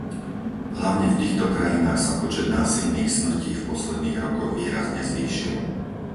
Hlavne v týchto krajinách sa počet násilných smrtí v posledných rokoch výrazne zvýšil.